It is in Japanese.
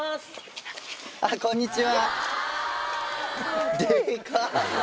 あっこんにちは。